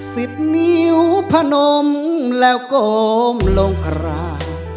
สิบนิ้วผนมและโกมลงครา